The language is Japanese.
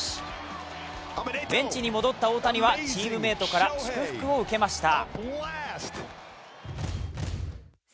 ベンチに戻った大谷は、チームメートから祝福を受けました。